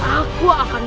aku akan